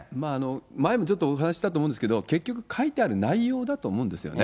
前もちょっとお話したと思うんですけど、結局、書いてある内容だと思うんですよね。